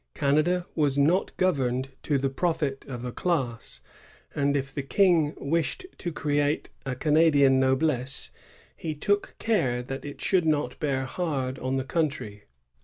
Canada was not governed to the profit of a class ; and if the King wished to create a Canadian noblesse^ he took care that it should not bear hard on the country.